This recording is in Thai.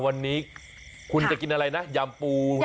วันนี้คุณจะกินอะไรนะยำปู